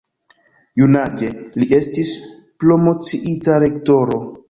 Junaĝe li estis promociita Lektoro.